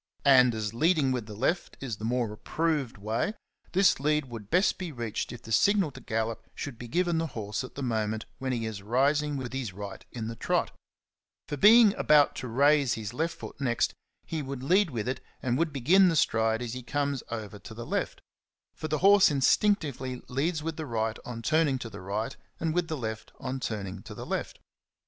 And as leading with the left is the more approved way, this lead would best be reached if the signal to gallop should be given the horse at the moment when he is rising with his right in the trot; for, being about to raise his left foot next, he would lead with it and would begin the stride as he comes over to the left, — for the horse in stinctively leads with the right on turning to the right, and with the left on turning to the left.